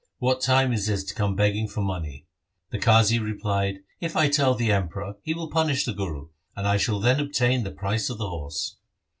What time is this to come begging for money.' The Qazi replied, ' If I tell the Emperor, he will punish the Guru, and I shall then obtain the price of the horse.'